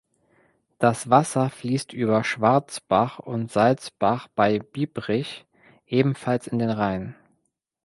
Das Wasser fließt über Schwarzbach und Salzbach bei Biebrich ebenfalls in den Rhein.